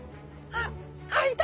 あっいた！